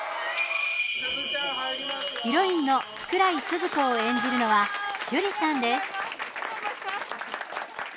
ヒロインの福来スズ子を演じるのは趣里さんです。